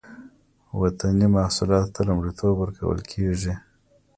وطني محصولاتو ته لومړیتوب ورکول کیږي